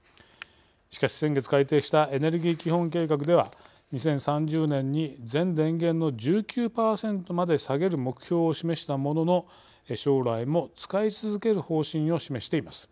しかし先月改定したエネルギー基本計画では２０３０年に全電源の１９％まで下げる目標を示したものの将来も使い続ける方針を示しています。